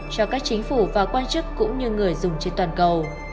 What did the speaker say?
cho các chính phủ và quan chức cũng như người dùng trên toàn cầu